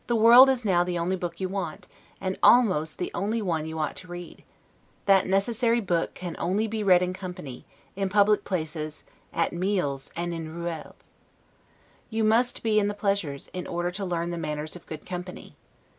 The world is now the only book you want, and almost the only one you ought to read: that necessary book can only be read in company, in public places, at meals, and in 'ruelles'. You must be in the pleasures, in order to learn the manners of good company.